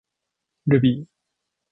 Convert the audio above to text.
ルビー